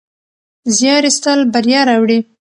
زیار ایستل بریا راوړي.